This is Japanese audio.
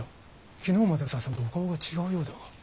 昨日までの渋沢様とお顔が違うようだが。